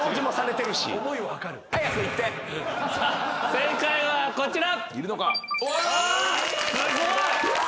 正解はこちら。